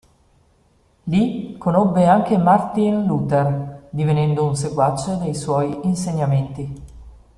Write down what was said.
Lì, conobbe anche Martin Luther divenendo un seguace dei suoi insegnamenti.